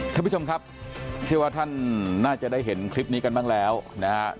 ท่านผู้ชมครับเชื่อว่าท่านน่าจะได้เห็นคลิปนี้กันบ้างแล้วนะฮะ